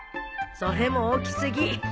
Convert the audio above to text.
それも大き過ぎ。